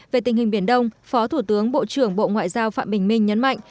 về tình hình biển đông phó thủ tướng bộ trưởng bộ ngoại giao phạm bình minh nhấn mạnh